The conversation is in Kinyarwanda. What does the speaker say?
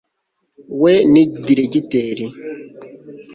We ni Diregiteri